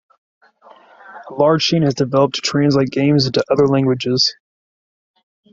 A large scene has developed to translate games into other languages.